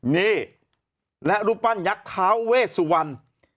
นี่และรูปปั้นยักษ์ท้าเวสวรรณ